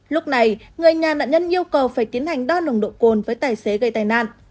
lúc này người nhà nạn nhân yêu cầu phải tiến hành đo nồng độ cồn với tài xế gây tai nạn